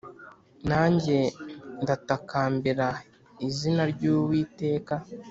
nanjye ndatakambira izina ry’Uwiteka